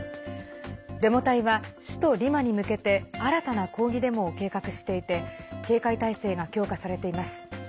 デモ隊は首都リマに向けて新たな抗議デモを計画していて警戒態勢が強化されています。